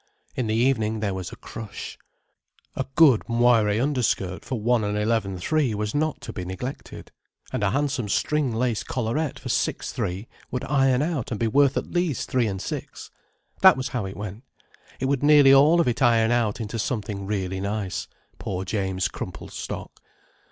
In the evening there was a crush. A good moiré underskirt for one and eleven three was not to be neglected, and a handsome string lace collarette for six three would iron out and be worth at least three and six. That was how it went: it would nearly all of it iron out into something really nice, poor James' crumpled stock.